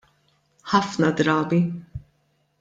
Ħafna drabi.